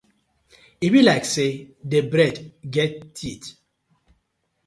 E bi like say di bread get teeth.